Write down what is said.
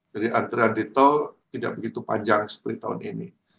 jadi antrean di tol tidak begitu panjang seperti tahun ini